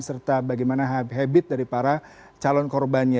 serta bagaimana habit dari para calon korbannya